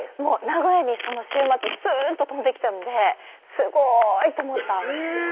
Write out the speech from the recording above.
名古屋にその週末スーンと飛んできたのですごーいと思ったんです